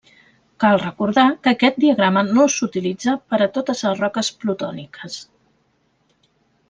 Cal recordar que aquest diagrama no s'utilitza per a totes les roques plutòniques.